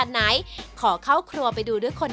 ได้เลยครับไปเลยครับ